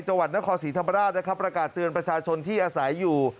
จวัตรนครศรีธรรมราชประกาศเตือนประชาชนที่อาศัยอยู่